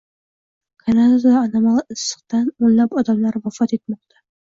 Kanadada anomal issiqdan o‘nlab odamlar vafot etmoqda